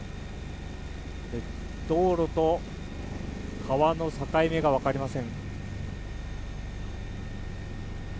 道路と川の境目が分かりません。